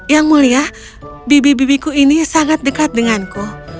yang mulia bibi bibiku ini sangat dekat denganku